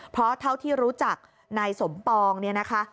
เพราะเท่าที่รู้จักนายสมปองเนี่ยนะคะ